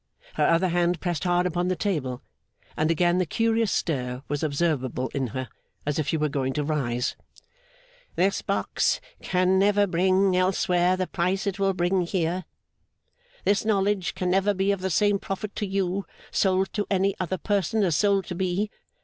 Her other hand pressed hard upon the table, and again the curious stir was observable in her, as if she were going to rise. 'This box can never bring, elsewhere, the price it will bring here. This knowledge can never be of the same profit to you, sold to any other person, as sold to me.